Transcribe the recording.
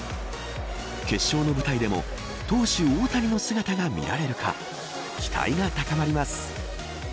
決勝の舞台でも投手大谷の姿が見られるか期待が高まります。